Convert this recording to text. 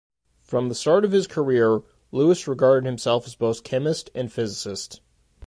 From the start of his career, Lewis regarded himself as both chemist and physicist.